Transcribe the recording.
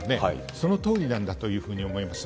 そのとおりなんだというふうに思います。